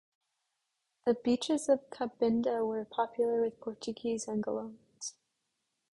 The beaches of Cabinda were popular with Portuguese Angolans.